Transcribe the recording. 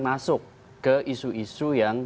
masuk ke isu isu yang